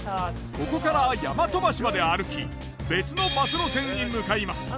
ここから大和橋まで歩き別のバス路線に向かいます。